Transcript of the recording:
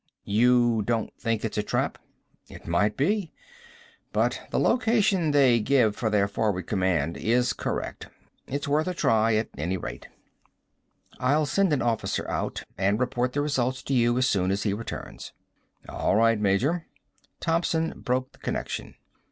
"You don't think it's a trap?" "It might be. But the location they give for their forward command is correct. It's worth a try, at any rate." "I'll send an officer out. And report the results to you as soon as he returns." "All right, Major." Thompson broke the connection.